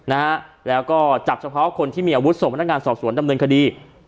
นะฮะแล้วก็จับเฉพาะคนที่มีอาวุธส่งพนักงานสอบสวนดำเนินคดี